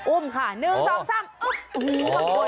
อุ้มค่ะหนึ่งสองสามอุ้ม